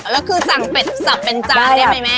แล้วคือสั่งเป็ดสับเป็นจานได้ไหมแม่